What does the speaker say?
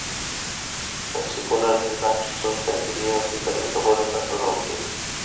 په سکیولر نظام کې څوک د عقېدې او فکر له کبله نه ځورول کېږي